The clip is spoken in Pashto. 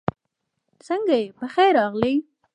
سنګه یی پخير راغلې